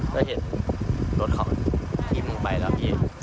ก็เห็นรถเขาทิ้มลงไปแล้วพี่